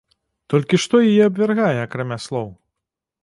Толькі што яе абвяргае акрамя слоў?